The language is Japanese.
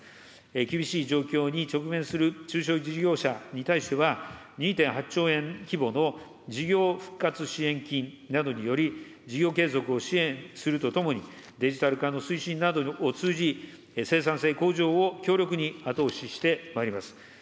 厳しい状況に直面する中小事業者に対しては、２．８兆円規模の事業復活支援金などにより、事業継続を支援するとともに、デジタル化の推進などを通じ、生産性向上を強力に後押ししてまいります。